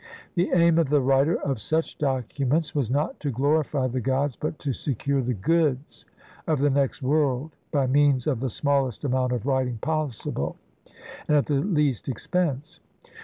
The aim of the writer of such documents was not to glorify the gods, but to secure the goods of the next world by means of the smallest amount of writing possible, and at the least expense.